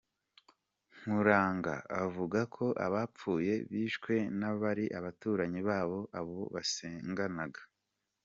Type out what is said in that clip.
Nkuranga avuga ko abapfuye bishwe n’abari abaturanyi babo, abo basenganaga.